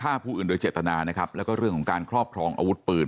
ฆ่าผู้อื่นโดยเจตนานะครับแล้วก็เรื่องของการครอบครองอาวุธปืน